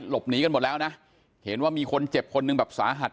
หลบหนีกันหมดแล้วนะเห็นว่ามีคนเจ็บคนหนึ่งแบบสาหัส